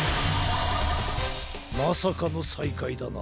まさかのさいかいだな。